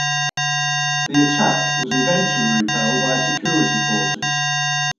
The attack was eventually repelled by security forces.